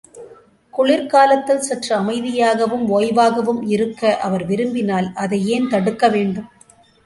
குளிர்காலத்தில் சற்று அமைதியாகவும் ஓய்வாகவும் இருக்க அவர் விரும்பினால், அதை ஏன் தடுக்க வேண்டும்?